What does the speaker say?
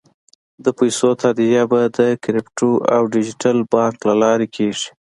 د پیسو تادیه به د کریپټو او ډیجیټل بانک له لارې کېږي.